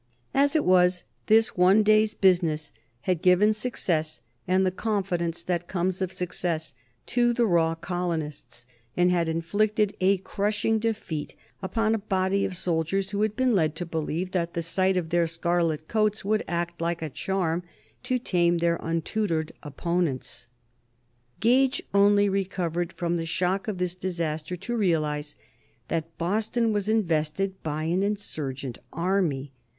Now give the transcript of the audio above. As it was, this one day's business had given success and the confidence that comes of success to the raw colonists, and had inflicted a crushing defeat upon a body of soldiers who had been led to believe that the sight of their scarlet coats would act like a charm to tame their untutored opponents. [Sidenote: 1776 Military success of the colonists] Gage only recovered from the shock of this disaster to realize that Boston was invested by an insurgent army.